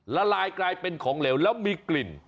ละลายกลายเป็นของเหลวแล้วมีกลิ่น